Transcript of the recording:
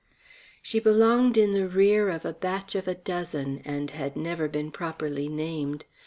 She belonged in the rear of a batch of a dozen, and had never been properly named.